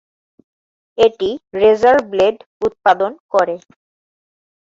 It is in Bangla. এটি রেজার ব্লেড উৎপাদন করে।